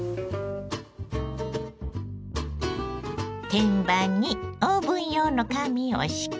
天板にオーブン用の紙を敷き